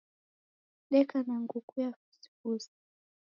Deka na nguku ya fusifusi.